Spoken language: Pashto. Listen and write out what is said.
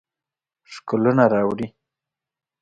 ښکلونه راوړي